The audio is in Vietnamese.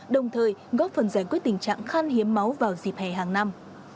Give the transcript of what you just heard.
đồng thời góp phần giải quyết tình trạng khan hiếm máu vào dịp hè hàng năm